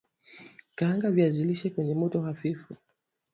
Kaanga viazi lishe kwenye moto hafifu